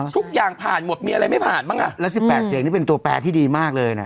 ทุกอย่างผ่านหมดมีอะไรไม่ผ่านบ้างอ่ะแล้ว๑๘เสียงนี่เป็นตัวแปลที่ดีมากเลยนะ